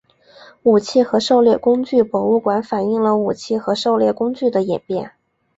武器和狩猎工具博物馆反映了武器和狩猎工具的演变。